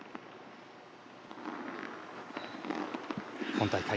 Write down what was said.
今大会